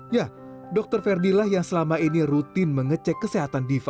ya dokter verdi lah yang selama ini rutin mengecek kesehatan diva